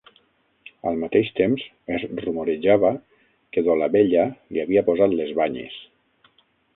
Al mateix temps es rumorejava que Dolabella li havia posat les banyes.